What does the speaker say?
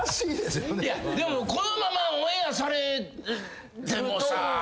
でもこのままオンエアされてもさ。